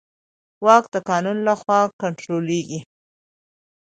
واک د قانون له خوا کنټرولېږي.